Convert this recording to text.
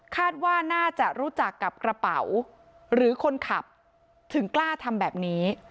คาดว่าน่าจะรู้จักกับกระเป๋าหรือคนขับถึงกล้าทำแบบนี้